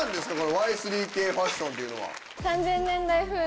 Ｙ３Ｋファッションっていうのは。